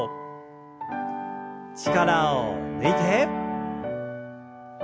力を抜いて。